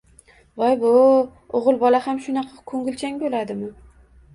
Voy-bo‘-o‘, o‘g‘il bola ham shunaqa ko‘ngilchan bo‘ladimi